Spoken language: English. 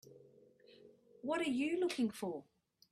What are you looking for?